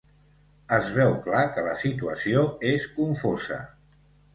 Es veu clar que la situació és confosa.